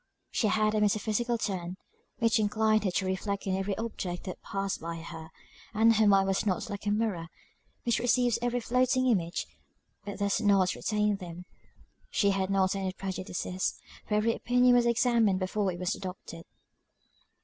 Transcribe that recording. She had a metaphysical turn, which inclined her to reflect on every object that passed by her; and her mind was not like a mirror, which receives every floating image, but does not retain them: she had not any prejudices, for every opinion was examined before it was adopted.